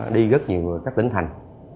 đi rất nhiều các tỉnh thành